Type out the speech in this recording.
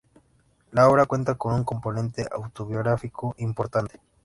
La obra cuenta con un componente autobiográfico importante.